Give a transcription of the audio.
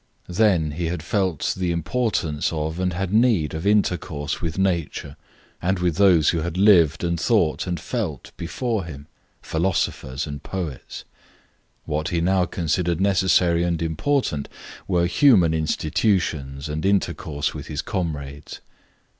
Then he had felt the importance of, and had need of intercourse with, nature, and with those who had lived and thought and felt before him philosophers and poets. What he now considered necessary and important were human institutions and intercourse with his comrades.